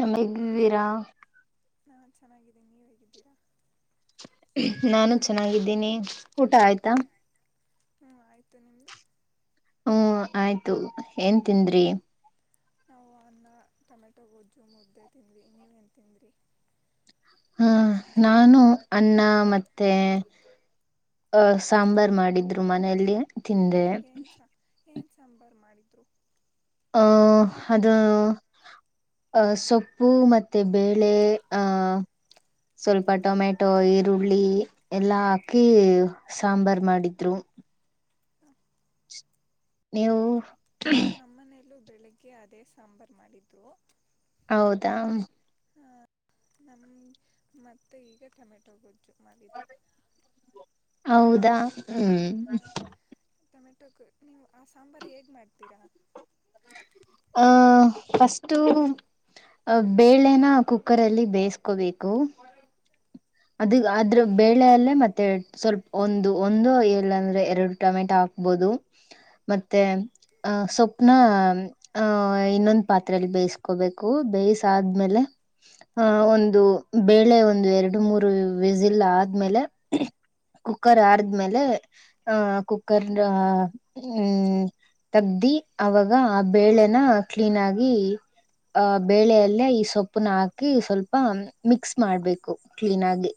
ನಮ್ ಹಗ್ವೀರಾ ನಾ ಚೆನ್ನಾಗಿದ್ದೀನಿ ನೀವ ಹೇಗಿದ್ದೀರಾ ನಾನು ಚೆನ್ನಾಗಿದ್ದೀನಿ ಊಟ ಆಯ್ತಾ ಹ್ಮ್ ಆಯ್ತು ನಿಮ್ದು ಹ್ಮ ಆಯ್ತು ಏನ್ ತಿಂದ್ರಿ ನಾವು ಅನ್ನ ಟೊಮೆಟೊ ಗೊಜ್ಜು ಮುದ್ದೆ ತಿಂದ್ವಿ ನೀವೇನು ತಿಂದಿರಿ ಹಹನಾನು ಅನ್ನ ಮತ್ತೆ ಅಹ ಸಾಂಬಾರ್ ಮಾಡಿದ್ರು ಮನೆಯಲ್ಲಿ ತಿಂದೆ ಏನ್ ಸಾ ಏನು ಸಾಂಬಾರು ಮಾಡಿದ್ರು ಆ ಅದು ಅ ಸೊಪ್ಪು ಮತ್ತೆ ಬೇಳೆ ಆಹ್ ಸ್ವಲ್ಪ ಹ್ಞೂ ಟೊಮೆಟೊ ಈರುಳ್ಳಿ ಎಲ್ಲಾ ಹಾಕಿ ಸಾಂಬಾರ್ ಮಾಡಿದ್ರು ನೀವು ನಮ್ಮನೆಯಲ್ಲ ಬೆಳಗ್ಗೆ ಅದೇ ಸಾಂಬಾರು ಮಾಡಿದ್ದವು ಹೌದಾ ನಮ್ಮ ಮೆತೆ ಈಗ ಟೊಮೆಟೊ ಗೊಜ್ಜು ಮಾಡಿದರು ಹೌದಾ ಹ್ಮ್ ಹಾ ಟೊಮೆಟೊ ನೀವು ಆ ಸಾಂಬಾರು ಹೇಗ್ ಮಾಡ್ತೀರಾ ಆ ಫಸ್ಟು ಅ ಬೇಳೆನ ಕುಕ್ಕರ್ ಅಲ್ಲಿ ಬೇಯಿಸಕೋಬೇಕು ಅದ ಅದ್ರ ಹಾಂ ಬೇಳೆಯಲ್ಲೇ ಮತ್ತೆ ಸ್ವಲ್ಪ ಒಂದು ಒಂದು ಇಲ್ಲ ಅಂದ್ರೆ ಎರಡು ಟೊಮೆಟೊ ಹಾಕ್ ಆಬಹದು ಮತ್ತೆ ಅಹ ಸ್ವಪ್ನ ಆಹ ಇನ್ನೊಂದ್ ಪಾತ್ರೆಯಲ್ಲಿ ಬೇಯಿಸ್ಕೋಬೇಕು ಬೇಯಿಸಾದ್ಮೇಲೆ ಆಹ ಒಂದು ಬೇಳೆ ಒಂದು ಎರಡು ಮೂರು ವಿಸಿಲ್ಲ ಆದ್ಮೇಲೆ ಕುಕ್ಕರ್ ಹಾರ್ಮೇಲೆ ಆಹ ಕುಕ್ಕರ್ ಹ್ಮ್ ತಗ್ದಿ ಅವಾಗ ಆ ಬೇಳೆನ ಕ್ಲೀನ್ ಆಗಿ ಅಹ್ ಬೇಳೆಯಲ್ಲೇ ಈ ಸೊಪ್ಪನ ಹಾಕಿ ಸ್ವಲ್ಪ ಮಿಕ್ಸ್ ಮಾಡ್ಬೇಕು ಕ್ಲೀನ್ ಆಗಿ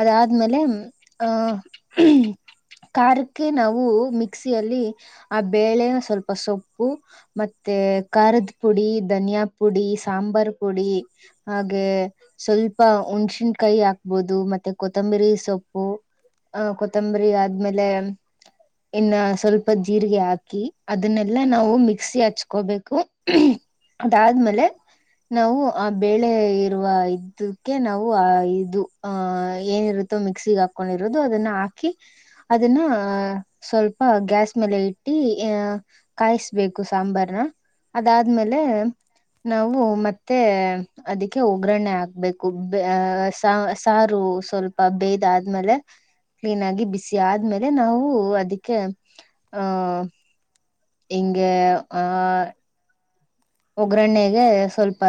ಅದಾದ್ಮೇಲೆ ಆಹ ಕಾರಾರಕ್ಕೆ ನಾವು ಮಿಕ್ಸಿಯಲ್ಲಿ ಆ ಬೇಳೆನ ಸ್ವಲ್ಪ ಸೊಪ್ಪು ಮತ್ತೆ ಖಾರದ ಪುಡಿ ಧನಿಯಾ ಪುಡಿ ಸಾಂಬಾರ್ ಪುಡಿ ಹಾಗೆ ಸ್ವಲ್ಪ ಹುಣ್ಸಿನ್ ಕೈ ಹಾಕ್ಬದು ಮತ್ತೆ ಕೊತ್ತಂಬರಿ ಸೊಪ್ಪು ಅ ಕೊತ್ತಂಬರಿ ಆದ್ಮೇಲೆ ಇನ್ನು ಸ್ವಲ್ಪ ಜೀರಿಗೆ ಹಾಕಿ ಅದನ್ನೆಲ್ಲಾ ನಾವು ಮಿಕ್ಸಿ ಹಚ್ಕೋಬೇಕು ಅದಾದ್ಮೇಲೆ ನಾವು ಆ ಬೆಳೆ ಇರುವ ಇದಕ್ಕೆ ನಾವು ಆ ಇದು ಆ ಏನಿರುತ್ತೋ ಮಿಕ್ಸಿಿಗೆ ಹಾಕೊಂಡಿರೋದು ಅದನ್ನ ಹಾಕಿ ಅದನ್ನ ಅಹ ಸ್ವಲ್ಪ ಗ್ಯಾಸ್ ಮೇಲೆ ಇಟ್ಟಿ ಅಹ ಕಾಯಿಸ್ಬೇಕು ಸಾಂಬರ ಅದಾದ್ಮೇಲೆ ನಾವು ಮತ್ತೆ ಅದಕ್ಕೆ ಒಗ್ಗರಣೆ ಹಾಕ್ಬೇಕು ಸಾರು ಸ್ವಲ್ಪ ಬೇದ ಆದ್ಮೇಲೆ ಕ್ಲೀನ್ ಆಗಿ ಬಿಸಿ ಆದ್ಮೇಲೆ ನಾವು ಅದಕ್ಕೆ ಆಹ್ ಇಂಗ ಆ ಒಗ್ಗರಣರಣೆಗೆ ಸ್ವಲ್ಪ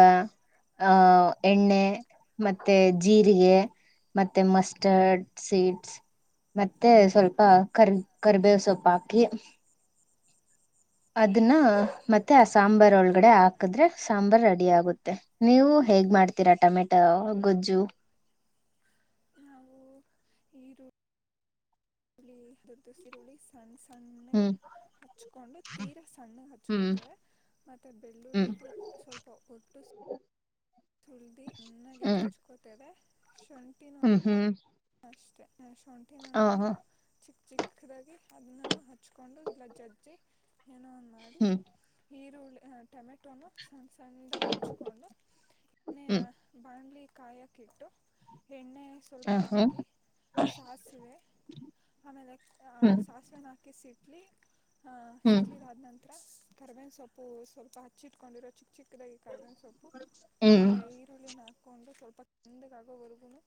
ಆಹ ಎಣ್ಣೆ ಮತ್ತೆ ಜೀರಿಗೆ ಮತ್ತೆ ಮಸ್ಟರ್ಡ್ ಸೀಡ್ಸ್ ಮತ್ತೆ ಸ್ವಲ್ಪ ಕರ್ ಕರಿಬೇವ ಸೊಪ್ಪ ಹಾಕಿ ಅದನ್ನ ಮತ್ತೆ ಆ ಸಾಂಬಾರ್ ಒಳಗಡೆ ಹಾಕಿದ್ರೆ ಸಾಂಬಾರ್ ರೆಡಿ ಆಗುತ್ತೆ ನೀವು ಹೇಗ್ ಮಾಡ್ತೀರಾ ಟೊಮೆಟೊ ಗೊಜ್ಜು ಹವು ಇದು ದದಿರೋಳಸ್ ಸಣ್ಣ ಸಣ್ಣಗೆ ಹ್ಮ್ ಹಚ್ಕೊಂಡು ತೀರ ಸಣ್ಣಗೆ ಹ್ಮ್ ಹಚ್ಕೋತೇವೆ ಮತ್ತೆ ಹ್ಮ್ ಬೆಳ್ಳುಳ್ಳಿದು ಸ್ವಲ್ಪ ಒಟ್ಟು ಸುಳ್ದಿ ನನ್ನಾಗಿ ಜೊಚ್ಕೋತೇವೆ ಶುಂಠಿನ ಹ್ಮ್ ಹ್ಮ್ ಅಷ್ಟೆ ಶುಂಠಿ ನನ ನಾನ ಚಿಕ್ಕ ಚಿಕ್ಕದಾಗಿ ಅದನ್ನ ಹಚ್ಕೊಂಡು ಇಲ್ಲ ಜಜ್ಜಿ ಏನೋ ಮಾಡಿ ಹ್ಮ್ ಹರುಳ್ಳಿ ಹ ಟೊಮೆಟೊನು ಸಣ್ಣ ಸಣ್ಣದಾಗ ಹಚ್ಕೊಂಡು ಬಾಣ್ಲಿ ಕಾಯಕ್ಕಿಟ್ಟು ಎಣ್ಣೆ ಹ ಸ್ವಲ್ಪ ಹ ಹಾಕಿ ಸಾಸಿವೆ ಆಮೇಲೆ ಹ್ಮ್ ಹ್ಮ್ ಸಾಸಿವೆನ ಹಾಕಿ ಸಿಡ್ಲಿ ಅ ಹ ಹ್ಮ್ ಹ್ಮ್ ಸಿಡ್ಲಿದಾದ ನಂತರ ಕಬೇನ್ ಸೊಪ್ಪು ಸ್ವಲ್ಪ ಹಚ್ಚಿ ಇಟ್ಕೊಂಡಿರೋ ಚಿಕ್ ಚಿಕ್ ಚಿಕ್ಕದಾಗಿ ಕರ್ಿನ ಸೊಪ್ಪು ಹ್ಮ್ ಆಮೇಲೆ ಈರುಳ್ಳಿನ ಹಾಕೊಂಡು ಸ್ವಲ್ಪ ಚಂದಗಾಗುವ ಹೊರ್ಗೂನು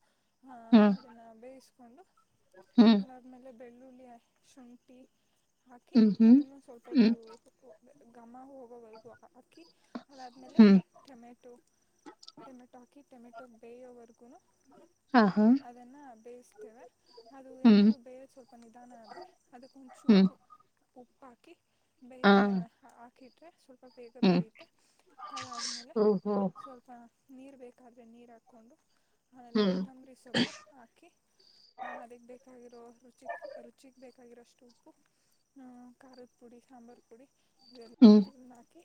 ಹಾ ಹ್ಮ್ ಅದನ್ನ ಬೇಯಿಸ್ಕೊಂಡು ಹ್ಮ್ ಆದಮೇಲೆ ಬೆಳ್ಳುಳ್ಳಿ ಶುಂಠಿ ಹಾಕಿ ಹ್ಮ್ ಅದನ್ನು ಸ್ವಲ್ಪ ಹ್ಮ್ ಹ್ಮ್ ಹ್ಮ್ ಹೊತ್ತು ಘಮ್ಮ ಹೋಗೋವರೆಗು ಅಕ್ಕಿ ಅದಾದಮೇಲೆ ಹ್ಮ್ ಟೊಮೆಟೊ ಟೊಮೆಟೊ ಹಾಕಿಟಮಟೋ ಬಯವರ್ಗೂ ಆ ಹಾ ಅದನ್ನು ಬೇಯಿಸ್ತೇವೆ ಅದು ಹ್ಮ್ ಏನಾದರೂ ಬೇರೆ ಸ್ವಲ್ಪ ನಿಧಾನ ಆದರೆ ಹ್ಮ್ ಅದಕ್ಕೊಂದುಚೂರು ಉಪ್ಪಾಕಿ ಬೇಯ ಹ ಹಾಕಿಟ್ರೆ ಸ್ವಲ್ಪ ಬೇಗ ಹ್ಮ್ ಬೇಯುತ್ತೆ ಅದಾದ್ಮೇಲೆ ಓಹೋ ಸ್ವಲ್ಪ [unintelligible] ನೀರು ಬೇಕಾದ್ರೆ ನೀರು ಹಾಕ್ಕೊಂಡು ಆಮೇಲೆ ಹ್ಮ್ ಕೊತ್ತಂಬರಿ ಸೊಪ್ಪು ಹಾಕಿ [unintelligible] ಹಾ ಅದಗ್ ಬೇಕಾಗಿರೋ ರುಚಿಕ್ ರುಚಿಗ್ ಬೇಕಾಗಿರೋ ಅಷ್ಟು ಉಪ್ಪು [unintelligible] ಖಾರದ ಪುಡಿ ಸಾಂಬಾರು ಪುಡಿ [unintelligible] ಗ ಹ್ಮ್ ಪುಡಿಗಳನ್ನ ಹಾಕಿ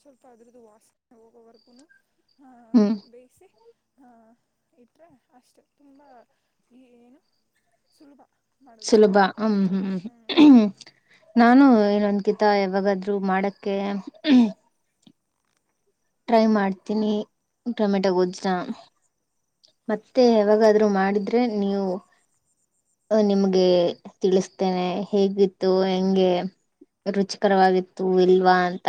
ಸ್ವಲ್ಪ ಅದ್ರದ್ದು ವಾಸನೆ ಹೋಗೋವರೆಗೂನು, [unintelligible] ಹಾ ಹ್ಮ್ ಬೇಯಿಸಿ ಹ ಇಟ್ಟರೆ [unintelligible] ಅಷ್ಟೆ ತುಂಬ ಏನು ಸುಲಭ [unintelligible] ಸುಲಭ ಹೂ ಹೂ ಟೊಮೆಟೊಗಳು ಹ್ಞೂ ಹೂ ನಾನು ಇನೊಂದ್ ಗಿತ ಯಾವಾಗಾದ್ಮಾಡಕ್ಕೆ ಟ್ರೈ ಮಾಡ್ತೀನಿ ಟೊಮೆಟೊ ಗೋಜ್ಜನ ಮತ್ತೆ ನಿಮಗೆ ಯಾವಾಗದ್ರು ಆದ್ರು ಮಾಡಿದ್ರೆ ನೀವು ನಿಮ್ಗೆ ತಿಳಿಸ್ತೇನೆ ಹೇಗಿತ್ತು ಹೆಂಗೆ ರುಚಿಕರವಾಗಿತ್ತು ಇಲ್ವಾ ಅಂತ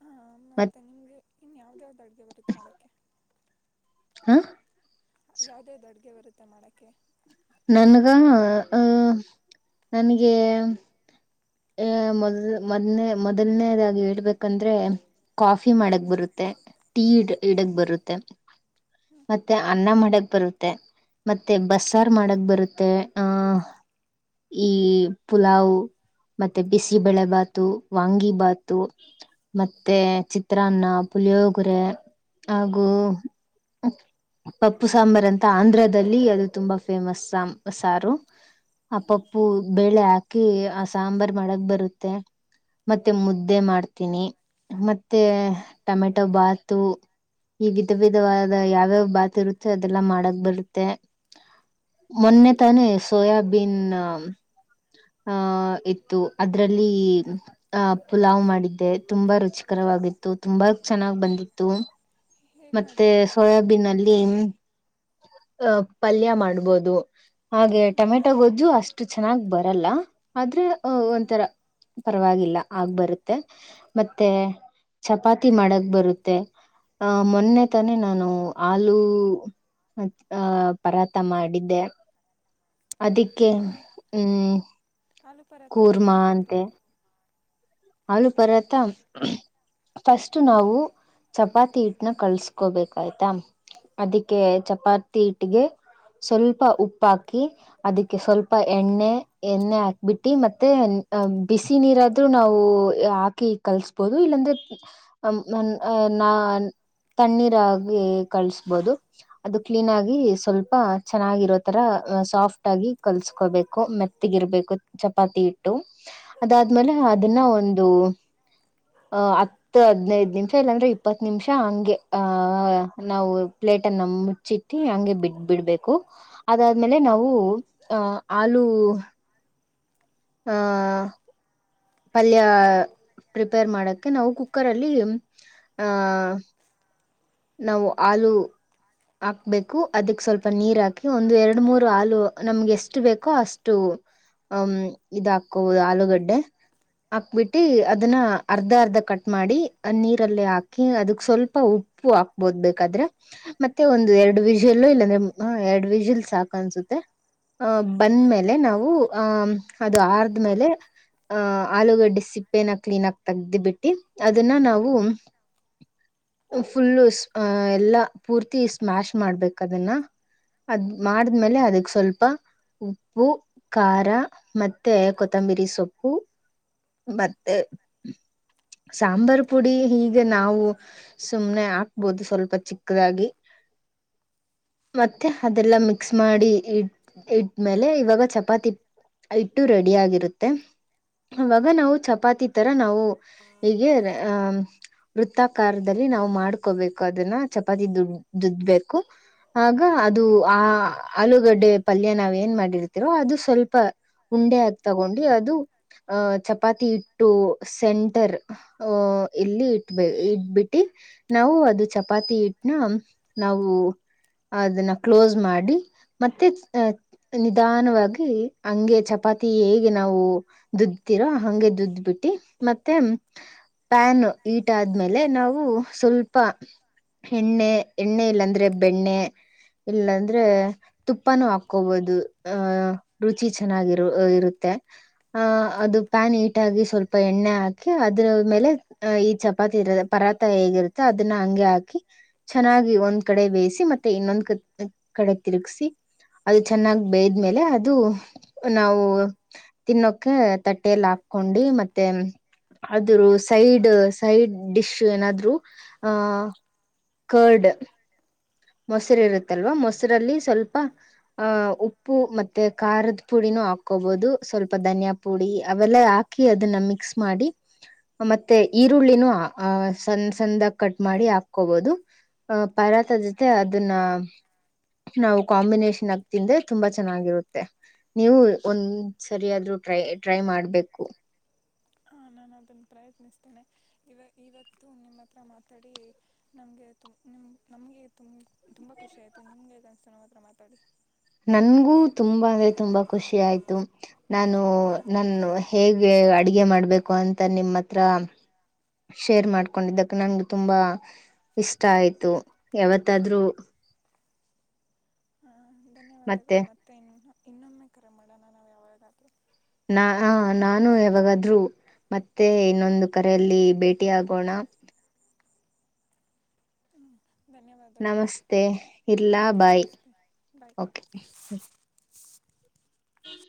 ಹಾ ಹಾ ಮತ್ ಮತ್ತೆ ನಿಮಗೆ ಇನ್ನು ಯಾವ್ದ ಯಾವ್ದು ಅಡುಗೆ ಬರುತ್ತೆ ಮಾಡಕ್ಕೆ ಹಾ ಯಾವ್ದ ಯಾವ್ದ ಅಡ್ಗೆ ಬರುತ್ತೆ ಮಾಡೋಕ್ಕೆ ನನ್ಗ ಆಹ ನನಗೆ ಆ ಮೊದಲ್ ಮೊದ್ನೇ ಮೊದಲನೇದಾಗಿ ಹೇಳ್ಬೇಕಂದ್ರೆ ಕಾಫಿ ಹಾಂ ಮಾಡಕ್ ಬರುತ್ತೆ ಟೀ ಇಡ್ ಹಾಂ ಇಡಕ್ ಬರುತ್ತೆ ಹಾಂ ಮತ್ತೆ ಅನ್ನ ಮಾಡಕ್ ಬರುತ್ತೆ ಮತ್ತೆ ಬಸಾರ್ ಮಾಡಕ್ ಬರುತ್ತೆ ಆಹ ಈ ಪುಲಾವ್ ಮತ್ತೆ ಬಿಸಿಬಳೆಬಾತು ವಾಂಗಿ ಭಾತು ಮತ್ತೆ ಚಿತ್ರಾನ್ನ ಪುಲಿಯೋಗುರೆ ಹಾಗು ಪಪ್ಪು ಸಾಂಬಾರ್ ಅಂತ ಆಂಧ್ರದಲ್ಲಿ ಅದು ತುಂಬಾ ಫೇಮಸ್ ಸಾಂಬ ಸಾರು ಅ ಹಾಂ ಪಪ್ಪು ಬೇಳೆ ಹಾಕಿ ಆ ಸಾಂಬಾರ್ ಮಳಕ್ ಬರುತ್ತೆ ಮತ್ತೆ ಮುದ್ದೆ ಮಾಡ್ತೀನಿ ಮತ್ತೆ ಟೊಮೆಟೊ ಭಾತು ಈ ವಿಧ ವಿಧವಾದ ಯಾವ್ಯಾವ ಬಾತ್ ಇರುತ್ತೆ ಅದೆಲ್ಲಾ ಮಾಡಕ್ ಬರುತ್ತೆ ಮೊನ್ನೆ ತಾನೇ ಸೋಯಾಬೀನ್ ಆಹ ಇತ್ತು ಅದ್ರಲ್ಲಿ ಆ ಅ ಪುಲಾವು ಮಾಡಿದ್ದೆ ತುಂಬಾ ರುಚಿಕರವಾಗಿತ್ತು ತುಂಬಾ ಚೆನ್ನಾಗ್ ಬಂದಿತ್ತು ಹೇಗೆ ಮತ್ತೆ ಮಾಡಿದ್ರಿ ಅದನ್ನು ಸೋಯಾಬೀನ್ ಅಲ್ಲಿ ಅಹ ಪಲ್ಯ ಮಾಡ್ಬೋದು ಹಾಗೆ ಹಾಂ ಟೊಮೆಟೊ ಗೊಜ್ಜು ಅಷ್ಟು ಚೆನ್ನಾಗ್ ಬರಲ್ಲ ಆದ್ರೆ ಹಾಂ ಒಂಥರ ಪರವಾಗಿಲ್ಲ ಆಗ್ ಬರುತ್ತೆ ಮತ್ತೆ ಚಪಾತಿ ಮಾಡಕ್ ಬರುತ್ತೆ ಆ ಮೊನ್ನೆ ತಾನೆ ನಾನು ಹಲೂ ಮ ಆಹ ಪರಾತ ಮಾಡಿದ್ದೆ ಅದಿಕ್ಕೆ ಹೂ ಹಾಲು ಪರೋಟ ಹೇಗೆ ಮಾಡಿದ್ರಿ ಹಾಲು ಪರೋಟ ಫಸ್ಟ್ ನಾವು ಚಪಾತಿ ಹಿಟ್ನ ಕಳ್ಸ್ಕೋಬೇಕಾಯ್ತಾ ಅದಕ್ಕೆ ಚಪಾತಿ ಹಿಟ್ಟಿಗೆ ಸ್ವಲ್ಪ ಉಪ್ಪಾಕಿ ಅದಕ್ಕೆ ಸ್ವಲ್ಪ ಎಣ್ಣೆ ಎಣ್ಣೆ ಹಾಕ್ಬಿಟ್ಟಿ ಮತ್ತೆ ಅ ಬಿಸಿ ನೀರಾದ್ೂ ನಾವು ಹಾಕಿ ಕಲ್ಸ್ಬಹುದು ಇಲ್ಲಾಂದ್ರೆ ನಾ ತಣ್ಣೀರಾಗ ಕಳಸ್ಬೋದು ಅದು ಕ್ಲೀನ್ ಆಗಿ ಸ್ವಲ್ಪ ಚೆನ್ನಾಗಿರೋ ತರ ಸಾಫ್ಟ್ ಆಗಿ ಕಲ್ಸ್ಕೋಬೇಕು ಮ ತೆಗಿರ್ಬೇಕು ಚಪಾತಿ ಇಟ್ಟು ಅದಾದ್ಮೇಲೆ ಅದನ್ನ ಒಂದು ಆ ಇ ಹದ್ನೈದ ನಿಮಿಷ ಇಲ್ಲಾಂದ್ರೆ ಇಪ್ಪತ್ತು ನಿಮಿಷ ಹಂಗೆ ಆಹ ನಾವು ಪ್ಲೇಟ್ ಅನ್ನು ಮುಚ್ಚಿ ಹಗೆ ಬಿಡ್ ಬಿಡ್ಬೇಕು ಅದಾದ್ಮೇಲೆ ನಾವು ಅಹ ಹಲೂ ಹಾ ಪಲ್ಯ ಪ್ರಿಪೇರ್ ಮಾಡಕ್ಕೆ ನಾವು ಕುಕ್ಕರಲ್ಲಿ ಆಹ ನಾವು ಹಲೂ ಹಾಕ್ಬೇಕು ಅದಕ್ ಸ್ವಲ್ಪ ನೀರ್ ಹಾಕಿ ಒಂದು ಎರಡು ಮೂರು ಹಾಲು ನಮ್ಗೆ ಎಷ್ಟು ಬೇಕೋ ಅಷ್ಟು ಹ್ ಇದ ಹಾಕುವುದು ಆಲೂಗಡ್ಡೆ ಹಾಕ್ಬಿಟ್ಟಿ ಅದನ್ನ ಅರ್ಧ ಅರ್ಧ ಕಟ್ ಮಾಡಿ ನೀರಲ್ಲಿ ಹಾಕಿ ಅದಕ್ ಸ್ವಲ್ಪ ಉಪ್ಪ ಉಪ್ಪು ಹಾಕ್ಬೋದ ಬೇಕಾದ್ರೆ ಮತ್ತೆ ಒಂದು ಎರಡು ವಿಜಲ್ಲೂ ಇಲ್ಲಾಂದ್ರೆ ಎರಡ್ ವಿಜಲ್ ಸಾಕ ಅನ್ಸುತ್ತೆ. ಅಹ ಬಂದ್ಮೇಲೆ ನಾವು ಆಹ್ ಅದು ಆರದ್ಮೇಲೆ ಅಹ್ ಆಲೂಗಡ್ಡೆ ಸಿಪ್ಪೆನ ಕ್ಲೀನ್ ಆಗಿ ತೆಗ್ದಿಬಿಟ್ಟಿ ಅದನ್ನ ನಾವು ಫುಲ್ಲು ಎಲ್ಲಾ ಪೂರ್ತಿ ಸ್ಮ್ಯಾಶ್ ಮಾಡ್ಬೇಕ ಅದನ್ನ ಅದ್ ಮಾಡಿದ್ಮೇಲೆ ಅದಕ್ ಸ್ವಲ್ಪ ಉಪ್ಪು ಖಾರ ಮತ್ತೆ ಕೊತ್ತಂಬಿರಿ ಸೊಪ್ಪು ಮತ್ತೆ ಸಾಂಬಾರ್ ಪುಡಿ ಹೀಗ ನಾವು ಸುಮ್ನೆ ಹಾಕ್ಬೋದು ಸ್ವಲ್ಪ ಚಿಕ್ಕದಾಗಿ ಮತ್ತೆ ಅದೆಲ್ಲ ಮಿಕ್ಸ್ ಮಾಡಿ ಇಟ್ ಇಟ್ಟ್ಮೇಲೆ ಇವಾಗ ಚಪಾತಿ ಹಿಟ್ಟು ರೆಡಿ ಆಗಿರುತ್ತೆ. ನನ್ ಮಗನವು ಚಪಾತಿ ತರ ನಾವು ಹೀಗೆ ಅಹ ವೃತ್ತಾಕಾರದಲ್ಲಿ ನಾವು ಮಾಡ್ಕೋಬೇಕು ಅದನ್ನ ಚಪಾತಿ ದುಡ್ ದುದಬೇಕು ಆಗ ಅದು ಆ ಆಲೂಗಡ್ಡೆ ಪಲ್ಯ ನಾವೇನ್ ಮಾಡಿರ್ತಿರೋ ಅದು ಸ್ವಲ್ಪ ಉಂಡೆ ಆಗ ತಗೊಂಡಿ ಅದು ಅ ಚಪಾತಿ ಹಿಟ್ಟು ಸೆಂಟರ್ ಅಹ ಇಲ್ಲಿ ಇಟ್ಬ ಇಟ್ಬಿಟ್ಟಿ ನಾವು ಅದು ಚಪಾತಿ ಹಿಟ್ಟನ ನಾವು ಅದನ್ನ ಕ್ಲೋಸ್ ಮಾಡಿ ಮತ್ತೆ ನಿಧಾನವಾಗಿ ಹಂಗೆ ಚಪಾತಿ ಹೇಗೆ ನಾವು ದುದತಿರೋ ಹಂಗೆ ದುದ ಬಿಟ್ಟಿ ಮತ್ತೆ ಪ್ಯಾನ್ ಹಿಟ್ ಆದ್ಮೇಲೆ ನಾವು ಸ್ವಲ್ಪ ಹೆಣ್ಣೆ ಎಣ್ಣೆ ಇಲ್ಲಾಂದ್ರೆ ಬೆಣ್ಣೆ ಇಲ್ಲಾಂದ್ರೆ ತುಪ್ಪಾನೂ ಹಾಕೋಬೋದು ಅಹ ರುಚಿ ಚೆನ್ನಾಗಿರು ಇರುತ್ತೆ. ಆಹ್ ಅದು ಪ್ಯಾನ್ ಹಿಟಾಗಿ ಸ್ವಲ್ಪ ಎಣ್ಣೆ ಹಾಕಿ ಅದ್ರ ಮೇಲೆ ಅಹ ಈ ಚಪಾತಿ ಇರದೆ ಪರಾತ ಹೇಗಿರುತ್ತೆ ಅದನ್ನ ಹಂಗೆ ಹಾಕಿ ಚೆನ್ನಾಗಿ ಒಂದ್ ಕಡೆ ಬೇಯಿಸಿ ಮತ್ತೆ ಇನ್ನೊಂದ್ ಕ ಕಡೆ ತಿರುಗ್ಸಿ ಅದು ಚೆನ್ನಾಗಿ ಬೇಯದ್ಮೇಲೆ ಅದು ನಾವು ತಿನ್ನೋ ತಟ್ಟೆೆಯಲ್ಲಿ ಹಾಕೊಂಡು ಮತ್ತೆ ಅದರ ಸೈಡ್ ಸೈಡ್ ಡಿಶ್ ಏನಾದ್ರು ಆಹ ಕರ್ಡ್ ಮೊಸರು ಇರುತ್ತಲ್ವಾ ಮೊಸರಲ್ಲಿ ಸ್ವಲ್ಪ ಆಹ ಉಪ್ಪು ಮತ್ತೆ ಖಾರದ ಪುಡಿನೂ ಹಾಕೋಬಹುದು ಸ್ವಲ್ಪ ಧನ್ಯ ಪುಡಿ ಅವೆಲ್ಲ ಹಾ ಹಾಕಿ ಅದನ್ನ ಮಿಕ್ಸ್ ಮಾಡಿ ಮತ್ತೆ ಈರುಳ್ಳಿನೂ ಅ ಸಣ ಸಣ್ಣದಾಗಿ ಕಟ್ ಮಾಡಿ ಹಾಕೋಬಹುದು ಹ ಪರತ ಜೊತೆ ಅದನ್ನ ನಾವು ಕಾಂಬಿನೇೇಶನ್ ಆಗ್ ತಿಂದ್ರೆ ತುಂಬಾ ಚೆನ್ನಾಗಿರುತ್ತೆ ನೀವು ಒಂದ್ ಸರಿಯಾದ್ರೂ ಟ್ರೈ ಟ್ರೈ ಮಾಡ್ಬೇಕು ಹಾ ನಾನು ಅದನ್ನು ಪ್ರಯತ್ನಿಸ್ತೇನೆ ಇವ ಇವತ್ತು ನಿಮ್ಮ ಹತ್ರ ಮಾತಾಡಿ ನಮಗೆ ತು ನಿಮ್ಮ ನಮಗೆ ತು ತುಂಬ ಖುಷಿ ಆಯಿತು ನಿಮಗೆ ಹೇಗೆ ಅನ್ನಿಸ್ತು ನಮ್ಮ ಹತ್ರ ಮಾತಾಡಿ ನನ್ಗೂ ತುಂಬಾ ಅಂದ್ರೆ ತುಂಬಾ ಖುಷಿ ಆಯ್ತು. ನಾನು ನಾನು ಹೇಗೆ ಅಡಗೆ ಮಾಡ್ಬೇಕು ಅಂತ ನಿಮ್ಮ ಹತ್ರ ಶೇರ್ ಮಾಡ್ಕೊಂಡಿದ್ದಕ್ಕೆ ನಂು ತುಂಬಾ ಇಷ್ಟ ಆಯ್ತು ಯಾವತ್ತಾದ್ರೂ ಧನ್ಯವಾದಗಳು ಮತ್ತೆ ಮತ್ತ ಇನ್ನು ಇನ್ನೊಮ್ಮೆ ಕರೆ ಮಾಡೋಣ ನಾವು ಯಾವಾಗಾದ್ರೂ ನಾ ನಾನು ಯಾವಾಗಾದ್ೂ ಮತ್ತೆ ಇನ್ನೊಂದು ಕರೆಯಲ್ಲಿ ಭೇಟಿ ಆಗೋಣ ಧನ್ಯವಾದಗಳು ನಮಸ್ತೆ ಇಡ್ಲಾ ಬಾಯ್ ನಮಸ್ತೆ ಬಾಯ್ ಓಕೆ. ಹ್ಞ